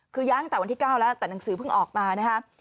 คือย้ายตั้งแต่วันที่๙แล้วแต่หนังสือเพิ่งออกมานะครับ